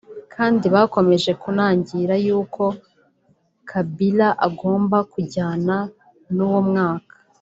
kandi bakomeje kunangira yuko Kabila agomba kujyana n’uwo mwaka